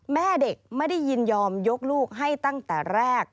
แม่เด็กไม่ได้ยินยอมยกลูกให้ตั้งแต่แรก